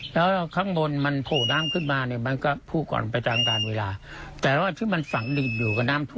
แล้วข้างบนมันโผล่น้ำขึ้นมามันก็พูดก่อนต่อ